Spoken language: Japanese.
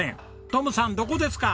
トムさんどこですか？